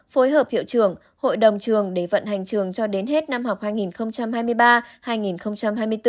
phối hợp hiệu trưởng hội đồng trường để vận hành trường cho đến hết năm học hai nghìn hai mươi ba hai nghìn hai mươi bốn